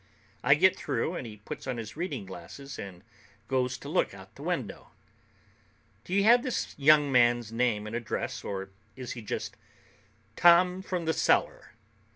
I get through, and he puts on his reading glasses and goes to look out the window. "Do you have this young man's name and address, or is he just Tom from The Cellar?"